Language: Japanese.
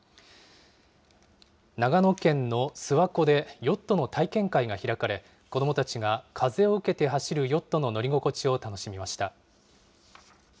長野県の諏訪湖でヨットの体験会が開かれ、子どもたちが風を受けて走るヨットの乗り心地を楽しみました。